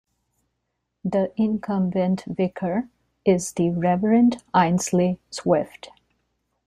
The incumbent vicar is the Revd Ainsley Swift.